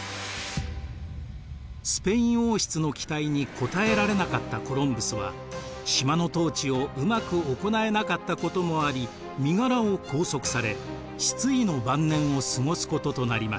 スペイン王室の期待に応えられなかったコロンブスは島の統治をうまく行えなかったこともあり身柄を拘束され失意の晩年を過ごすこととなりました。